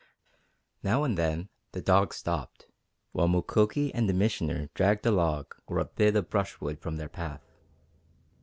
Now and then the dogs stopped while Mukoki and the Missioner dragged a log or a bit of brushwood from their path.